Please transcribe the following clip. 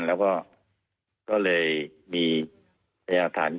แล้วก็เลยมีพยานฐาน